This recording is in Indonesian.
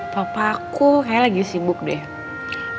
papa aku kayaknya lagi sibuk deh